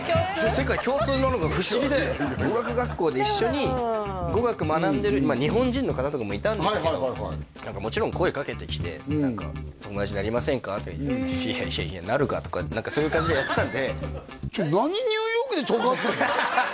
世界共通なのが不思議で語学学校で一緒に語学学んでる日本人の方とかもいたんですけどもちろん声掛けてきて「友達になりませんか？」とか「いやいやいやなるか」とか何かそういう感じでやってたんで何ニューヨークでとがってんの？